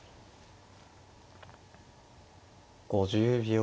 ５０秒。